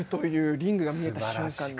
リングが見えた瞬間に。